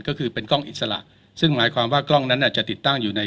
ก็คือเป็นกล้องอิสระซึ่งหมายความว่ากล้องนั้นอาจจะติดตั้งอยู่ใน